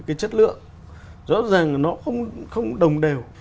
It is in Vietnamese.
cái chất lượng rõ ràng nó không đồng đều